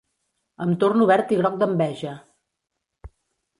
Em torno verd i groc d'enveja!